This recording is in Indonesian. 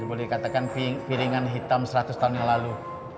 boleh dikatakan piringan hitam seratus tahun yang lalu